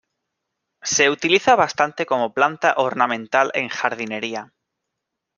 Se utiliza bastante como planta ornamental en jardinería.